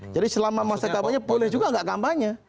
jadi selama masa kampanye boleh juga enggak kampanye